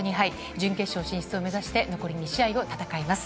準決勝進出を目指して残り２試合を戦います。